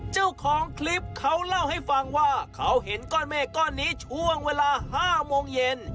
เจ้าของคลิปเขาเล่าให้ฟังว่าเขาเห็นก้อนเมฆก้อนนี้ช่วงเวลา๕โมงเย็น